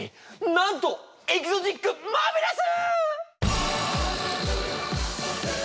なんとエキゾチックマーベラス！